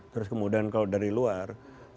terus kemudian kalau dari luar